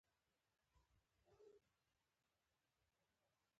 اوس چې ډيموکراسي راغلې ده نو ږيره يې وخرېیله.